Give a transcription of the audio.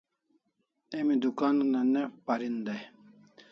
Emi dukan una ne parin dai